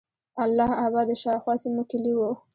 اله آباد د شاوخوا سیمو کیلي وه.